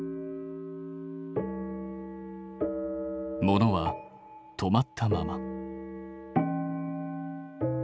物は止まったまま。